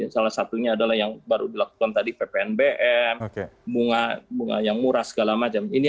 salah satunya adalah yang baru dilakukan tadi ppnbm bunga yang murah segala macam